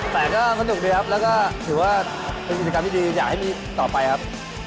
แต่ก็สนุกดีครับแล้วก็ถือว่าเป็นกิจกรรมที่ดีอยากให้มีต่อไปครับ